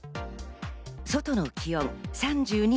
外の気温３２．２度。